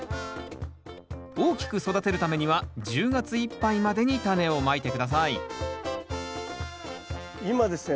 大きく育てるためには１０月いっぱいまでにタネをまいて下さい今ですね